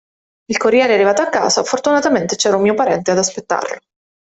Il corriere è arrivato a casa, fortunatamente c'era un mio parente ad aspettarlo.